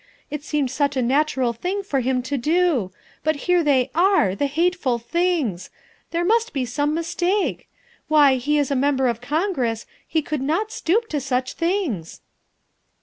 It seemed such a natural thing for him to do; but here they are the hateful things! There must be 320 THE WIFE OF some mistake. Why, he is a Member of Congress, he could not stoop to such things."